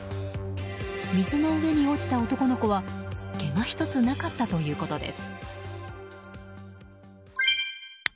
水の上に落ちた男の子はけがひとつなかったということです。